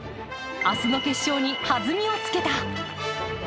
明日の決勝にはずみをつけた。